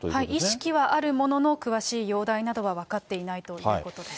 意識はあるものの、詳しい容体などは分かっていないということです。